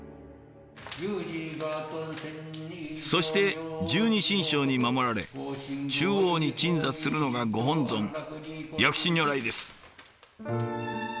そして十二神将に守られ中央に鎮座するのがご本尊薬師如来です。